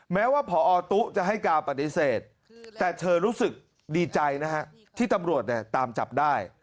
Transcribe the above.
แม้ว่าพอตุ๊จะให้การปฏิเสธแต่เธอรู้สึกดีใจนะฮะที่ตำรวจเนี่ยตามจับได้